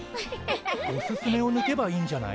「おすすめ」をぬけばいいんじゃない？